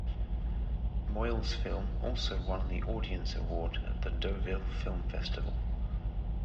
Moyle's film also won the Audience Award at the Deauville Film Festival.